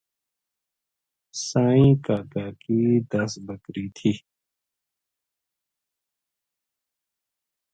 سائیں کاکا کی دس بکری تھی